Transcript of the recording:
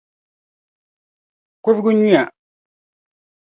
kurigi nyuya.